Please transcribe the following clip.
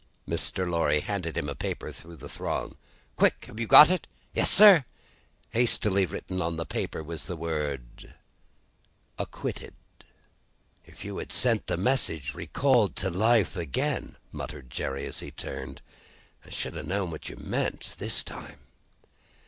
Mr. Lorry handed him a paper through the throng. "Quick! Have you got it?" "Yes, sir." Hastily written on the paper was the word "ACQUITTED." "If you had sent the message, 'Recalled to Life,' again," muttered Jerry, as he turned, "I should have known what you meant, this time."